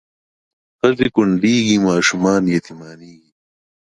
ښځې کونډېږي ماشومان یتیمانېږي